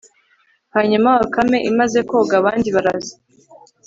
hanyuma bakame imaze koga, abandi baraza